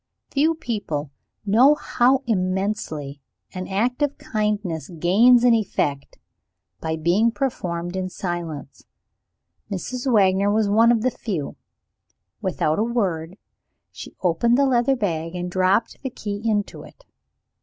Few people know how immensely an act of kindness gains in effect, by being performed in silence. Mrs. Wagner was one of the few. Without a word, she opened the leather bag and dropped the key into it.